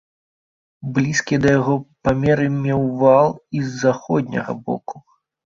Блізкія да яго памеры меў вал і з заходняга боку.